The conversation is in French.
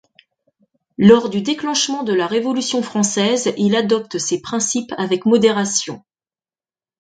Lors du déclenchement de la Révolution française, il adopte ses principes avec modération.